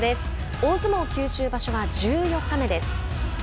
大相撲九州場所は１４日目です。